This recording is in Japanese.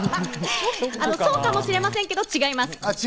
そうかもしれないですけど違います。